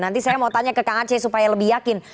nanti saya mau tanya ke kang aceh supaya lebih yakin